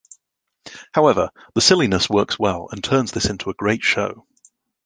However, the silliness works well and turns this into a great show.